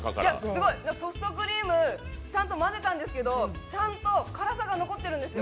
すごい、ソフトクリームちゃんと混ぜたんですけど、辛さが残ってるんですよ。